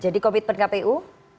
jadi komitmen kpu